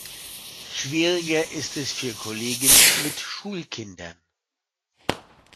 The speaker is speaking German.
Schwieriger ist es für Kollegen mit Schulkindern.